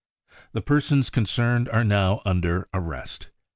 The persons concerned are now under arrest.